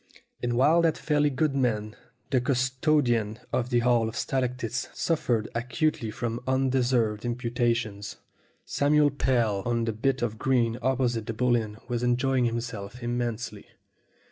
And while that fairly good man, the custodian of the Hall of Stalactites, suffered acutely from unde served imputations, Samuel Pell on the bit of green opposite the Bull Inn was enjoying himself immensely.